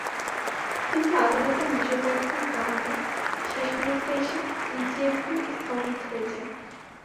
কিন্তু আদালতের নিষেধাজ্ঞার কারণে শেষ মুহূর্তে এসে ইজিএমটি স্থগিত হয়ে যায়।